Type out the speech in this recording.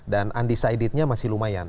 dan undecidednya masih lumayan